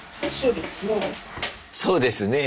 「そうですねえ」。